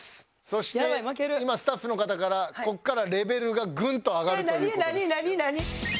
そして今スタッフの方からここからレベルがグンと上がるという事です。